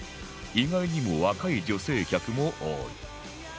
意外にも若い女性客も多い